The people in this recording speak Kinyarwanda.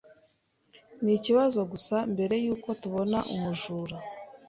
Ni ikibazo gusa mbere yuko tubona umujura.